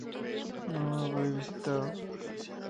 No habré visitado